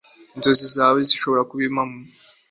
byatume igihugu cyabo Egypte kizamuka